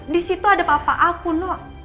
di situ ada papa aku nok